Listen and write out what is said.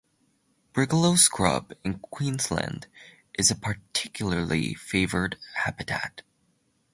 Brigalow scrub in Queensland is a particularly favoured habitat.